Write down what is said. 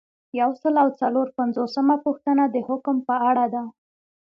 یو سل او څلور پنځوسمه پوښتنه د حکم په اړه ده.